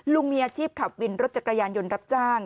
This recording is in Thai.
ลุงมีอาชีพขับวินรถจักรยานยนต์รับจ้าง